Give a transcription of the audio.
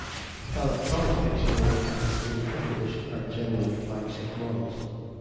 Electronic dictionaries that contain the fifth edition are generally flagship models.